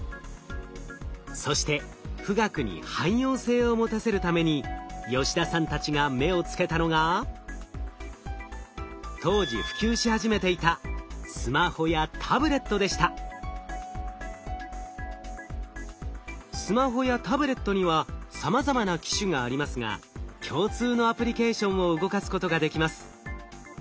そして富岳に汎用性を持たせるために吉田さんたちが目をつけたのが当時普及し始めていたスマホやタブレットにはさまざまな機種がありますが共通のアプリケーションを動かすことができます。